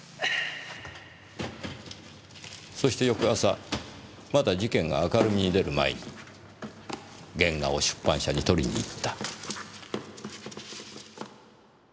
そして翌朝まだ事件が明るみに出る前に原画を出版社に取りに行った。